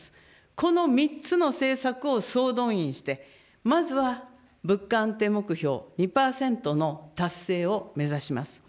この３つの政策を総動員して、まずは物価安定目標２％の達成を目指します。